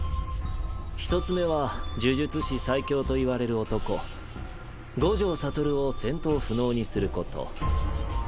１つ目は呪術師最強と言われる男五条悟を戦闘不能にすること。